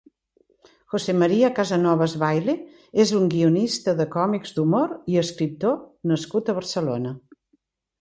José María Casanovas Baile és un guionista de còmics d'humori escriptor nascut a Barcelona.